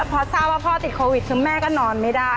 พอทราบว่าพ่อติดโควิดคือแม่ก็นอนไม่ได้